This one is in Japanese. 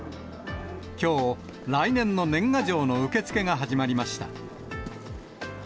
きょう、来年の年賀状の受け付けが始まりました。